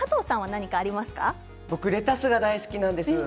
僕はレタスが大好きなんです。